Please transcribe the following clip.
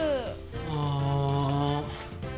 ああ。